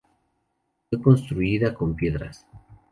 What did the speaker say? Fue construida con piedras.